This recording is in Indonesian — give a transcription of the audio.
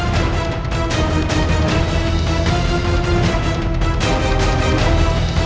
tidak ada yang bisa kandang